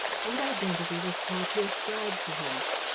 What identity was Paul to ascribe to him?